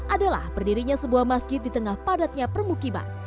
adalah berdirinya sebuah masjid di tengah padatnya permukiman